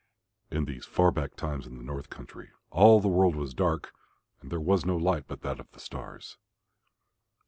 In these far back times in the north country all the world was dark and there was no light but that of the stars.